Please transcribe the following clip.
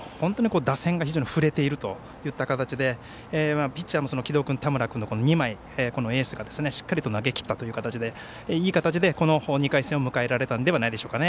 打線が非常に振れているといった形でピッチャー城戸君、田村君２枚エースがしっかり投げきったという形でいい形で２回戦を迎えられたのではないでしょうか。